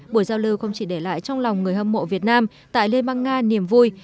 buổi giao lưu không chỉ để lại trong lòng người hâm mộ việt nam tại liên bang nga niềm vui